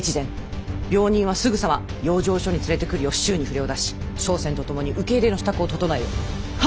病人はすぐさま養生所に連れてくるよう市中に触れを出し笙船と共に受け入れの支度を整えよ。は！